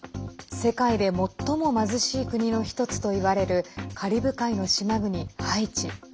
世界で最も貧しい国の１つといわれるカリブ海の島国ハイチ。